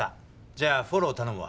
じゃあフォロー頼むわ。